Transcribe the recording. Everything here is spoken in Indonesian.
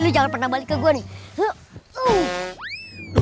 ini jangan pernah balik ke gue nih